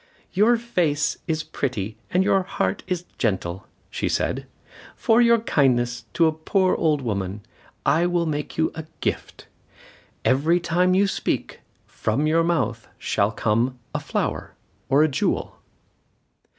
"Your face is pretty and your heart is gentle," said she. "For your kindness to a poor old woman, I will make you a gift. Every time you speak, from your mouth shall come a flower or a jewel."